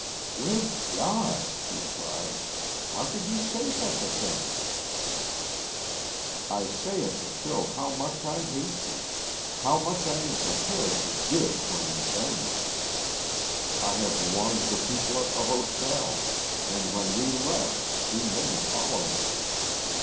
"Good God!" he cried. "How could you say such a thing?" "I say it to show how much I hate you how much I am prepared to give for revenge. I have warned the people at the hotel, and when we left two men followed us.